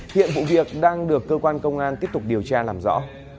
hiện vụ việc đang được cơ quan công an tiếp tục điều tra làm rõ